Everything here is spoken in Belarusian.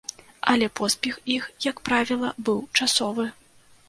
Але поспех іх, як правіла, быў часовы.